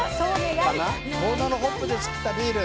遠野のホップでつくったビール。